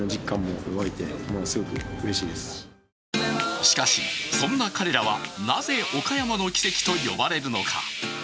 しかし、そんな彼らはなぜ岡山の奇跡と呼ばれるのか。